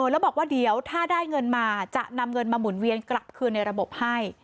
แล้วบอกว่าเดี๋ยวถ้าได้เงินมาจะนำเงินมาหมุนเวียนกลับคืนในระบบให้